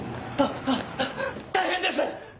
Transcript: あっあっ大変です！